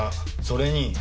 それに。